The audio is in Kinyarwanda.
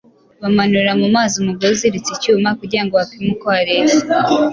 Bamanurira mu mazi umugozi uziritse icyuma kugira ngo bapime uko hareshya